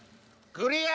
クリア！